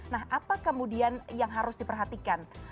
nah apa kemudian yang harus diperhatikan